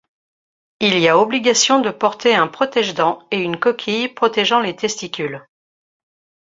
Il y a obligation de porter un protège-dents et une coquille protégeant les testicules.